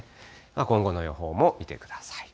今後の予報も見てください。